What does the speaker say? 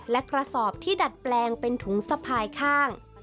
และกระสอบที่ดัดแปลงเป็นถุงสะพายข้าง